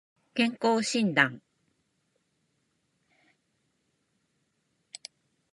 健康診断